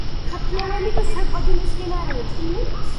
თაფლოვანი და საკვები მცენარეა.